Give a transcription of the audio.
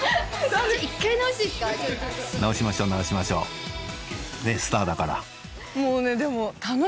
直しましょう直しましょうねっスターだからもうねでも。